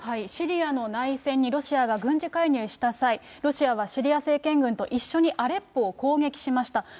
シリアの内戦にロシアが軍事介入した際、ロシアはシリア政権軍と一緒にアレッポを攻撃しました。